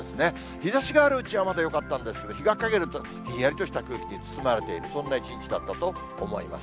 日ざしがあるうちはまだよかったんですけど、日が陰るとひんやりとした空気に包まれている、そんな一日だったと思います。